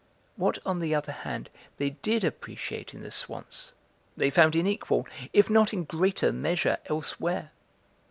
What, on the other hand, they did appreciate in the Swanns they found in equal, if not in greater measure elsewhere.